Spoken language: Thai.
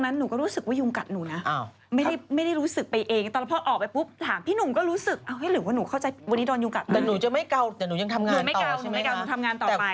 ใช่ไม่อันนี้ต้องเล่าจริง